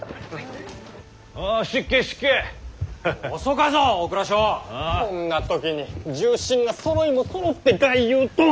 こんな時に重臣がそろいもそろって外遊とは。